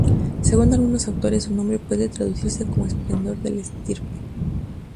Según algunos autores su nombre puede traducirse como 'esplendor de la estirpe'.